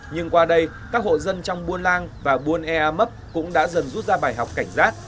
nhưng qua đây các hộ dân trong buôn lang và buôn ea mấp cũng đã dần rút ra bài học cảnh giác